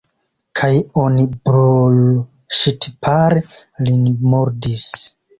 Kaj oni brulŝtipare lin murdis.